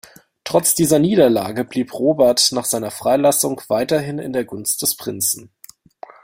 Trotz dieser Niederlage blieb Robert nach seiner Freilassung weiterhin in der Gunst des Prinzen.